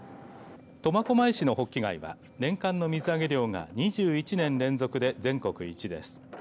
苫小牧市のホッキ貝は年間の水揚げ量が２１年連続で全国一です。